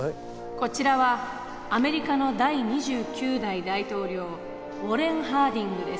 こちらはアメリカの第２９代大統領ウォレン・ハーディングです。